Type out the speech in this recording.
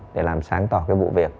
để làm sáng tỏ cái vụ việc